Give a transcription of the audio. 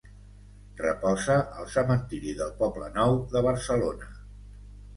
Reposa al Cementiri del Poblenou de Barcelona.